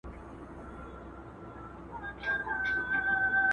زعفران ډېر حساس نبات دی.